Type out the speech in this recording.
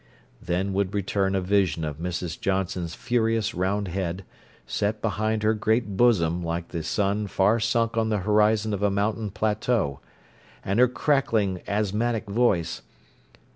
Then would return a vision of Mrs. Johnson's furious round head, set behind her great bosom like the sun far sunk on the horizon of a mountain plateau—and her crackling, asthmatic voice...